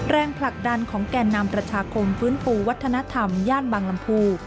แรงผลักดันของแก่นำประชาคมฟื้นฟูวัฒนธรรมย่านบางลำพู